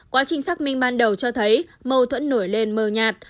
quá trình xác minh ban đầu cho thấy mâu thuẫn nổi lên mờ nhạt